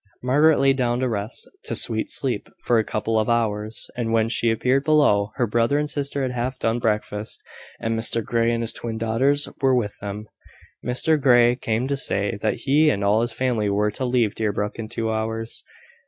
Margaret lay down to rest, to sweet sleep, for a couple of hours: and when she appeared below, her brother and sister had half done breakfast, and Mr Grey and his twin daughters were with them. Mr Grey came to say that he and all his family were to leave Deerbrook in two hours.